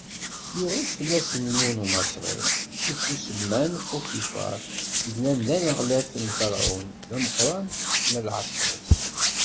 Yuɣ-it fell-asen yiwen n Umaṣri yettusemman Futifaṛ, yellan d aneɣlaf n Ferɛun, d ameqran n lɛeskeṛ-is.